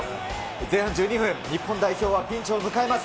前半１２分、日本代表はピンチを迎えます。